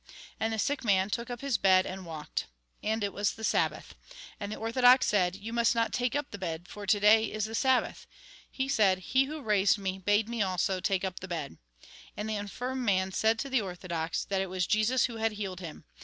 And the sick man took up his bed and walked. And it was the Sabbath. And the orthodox said :" You must not take up the bed, for to day is the Sabbath." He said :" He who raised me, bade me also take up the bed." And the infirm man said to the orthodox, that it was Jesus who had healed him.